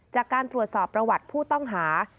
จากการตรวจสอบประวัติผู้ต้องหา